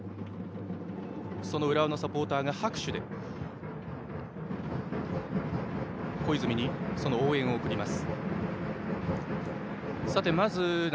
その浦和のサポーターが拍手で小泉に応援を送ります。